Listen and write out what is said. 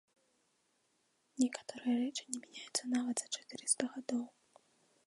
Некаторыя рэчы не мяняюцца нават за чатырыста гадоў.